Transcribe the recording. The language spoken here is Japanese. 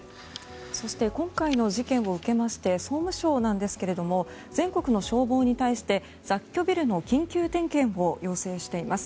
そして今回の事件を受けまして総務省なんですが全国の消防に対して雑居ビルの緊急点検を要請しています。